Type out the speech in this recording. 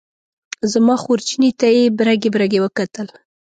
زما خورجینې ته یې برګې برګې وکتل.